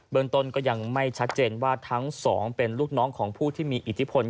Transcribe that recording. เมืองต้นก็ยังไม่ชัดเจนว่าทั้งสองเป็นลูกน้องของผู้ที่มีอิทธิพล